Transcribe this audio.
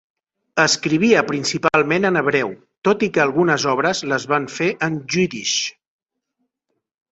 Escrivia principalment en hebreu, tot i que algunes obres les va fer en jiddisch.